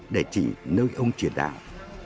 để chỉ nơi ông truyền đạo